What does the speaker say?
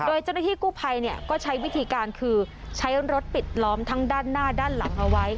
โดยเจ้าหน้าที่กู้ภัยก็ใช้วิธีการคือใช้รถปิดล้อมทั้งด้านหน้าด้านหลังเอาไว้